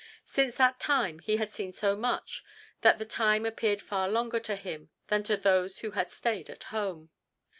Since that time he had seen so much that the time appeared far longer to him than to those who had stayed at home.